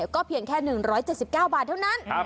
ก็เพียงแค่๑๗๙บาทเท่านั้น